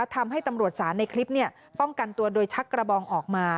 ทำให้ตำรวจศาลในคลิปป้องกันตัวโดยชักกระบองออกมา